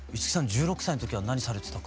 １６歳の時は何されてたか。